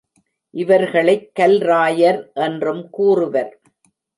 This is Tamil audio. இவர்களைக் கல்ராயர் என்றும் கூறுவர்.